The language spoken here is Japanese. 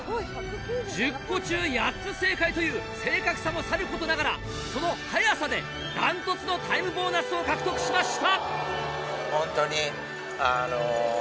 １０個中８つ正解という正確さもさることながらその早さで断トツのタイムボーナスを獲得しました。